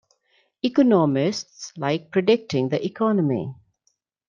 Economists like predicting the Economy.